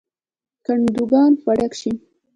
کندوګان به ډک شي.